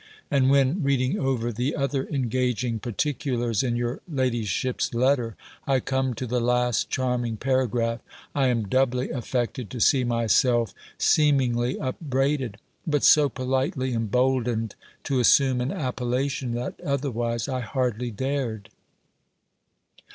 And when, reading over the other engaging particulars in your ladyship's letter, I come to the last charming paragraph, I am doubly affected to see myself seemingly upbraided, but so politely emboldened to assume an appellation, that otherwise I hardly dared.